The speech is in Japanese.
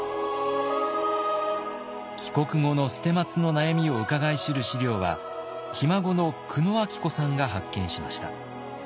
帰国後の捨松の悩みをうかがい知る資料はひ孫の久野明子さんが発見しました。